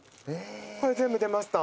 これ全部出ました。